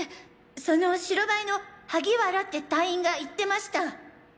その白バイの萩原って隊員が言ってました。